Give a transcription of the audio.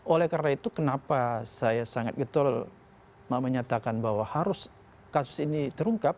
oleh karena itu kenapa saya sangat getol menyatakan bahwa harus kasus ini terungkap